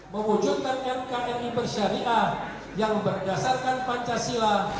mewujudkan nkri bersyariah yang berdasarkan pancasila